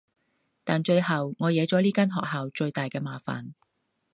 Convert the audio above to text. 但最後我惹咗呢間學校最大嘅麻煩